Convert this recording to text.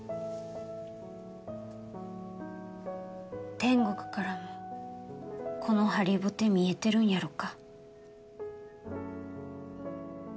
天国からもこの張りぼて見えてるんやろか？